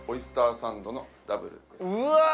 うわ！